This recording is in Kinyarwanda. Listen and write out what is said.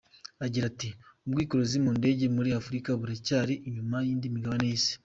Agira ati “Ubwikorezi mu ndege muri Afurika buracyari inyuma y’indi migabane y’isi.